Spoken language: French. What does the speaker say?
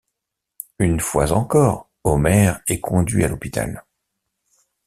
Une fois encore, Homer est conduit à l'hôpital.